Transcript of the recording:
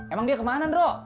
emang dia kemana bro